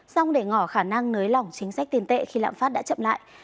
xong để ngỏ khả năng nới lỏng chính sách tiền tệ khi lạm phát đã chậm lại